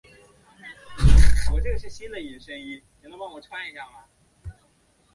车站拱顶是白色和灰色。